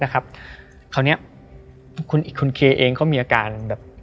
คราวนี้คุณเคเองก็มีอาการแบบ